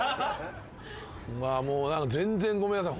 全然ごめんなさい。